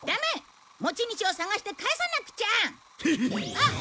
あっ！